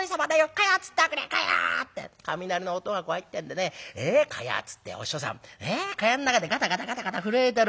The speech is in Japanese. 蚊帳をつっておくれ蚊帳を』って雷の音が怖いってんでね蚊帳をつってお師匠さん蚊帳の中でガタガタガタガタ震えてる。